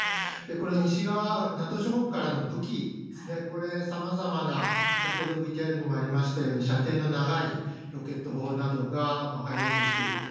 この西側、ＮＡＴＯ諸国からの武器ですね、これ、さまざまな、先ほどもＶＴＲでもありましたように、射程の長いロケット砲などが入ろうとしていると。